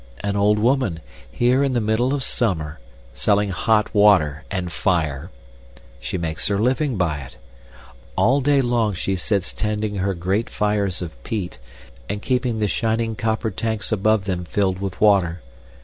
An old woman, here in the middle of summer, selling hot water and fire! She makes her living by it. All day long she sits tending her great fires of peat and keeping the shining copper tanks above them filled with water.